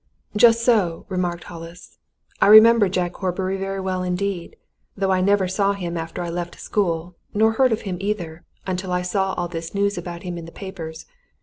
"Just so!" remarked Hollis. "I remember Jack Horbury very well indeed, though I never saw him after I left school, nor heard of him either, until I saw all this news about him in the papers.